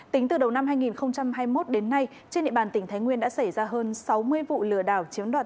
tính từ đầu năm hai nghìn hai mươi một đến nay trên địa bàn tỉnh thái nguyên đã xảy ra hơn sáu mươi vụ lừa đảo chiếm đoạt